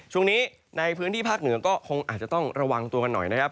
ช่วงนี้ในพื้นที่ภาคเหนือก็คงอาจจะต้องระวังตัวกันหน่อยนะครับ